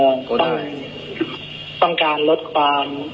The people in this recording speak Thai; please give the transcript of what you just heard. ต้องการลดเสียงไม่ให้มันเสียงดังครับท่าน